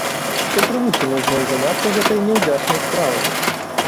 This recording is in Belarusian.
Што прымусіла зноў заняцца гэтай няўдзячнай справай?